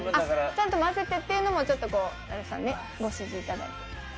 ちゃんと混ぜてっていうのも、ちょっとご指示いただいて。